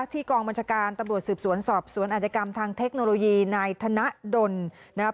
กองบัญชาการตำรวจสืบสวนสอบสวนอาจกรรมทางเทคโนโลยีนายธนดลนะครับ